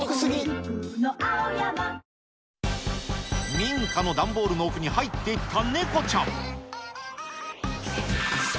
民家の段ボールの奥に入っていったネコちゃん。